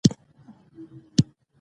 بيزو میوې ټولوي.